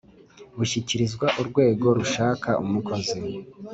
bushyikirizwa urwego rushaka umukozi